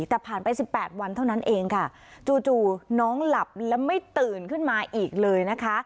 แต่ผ่านไป๑๘วันเท่านั้นเองค่ะจู่น้องหลับและไม่ตื่นขึ้นมาอีกเลยนะคะ